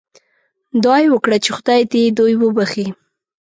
دعا یې وکړه چې خدای دې دوی وبخښي.